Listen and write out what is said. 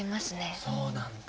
そうなんだ。